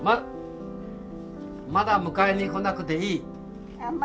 まだ迎えに来なくていい。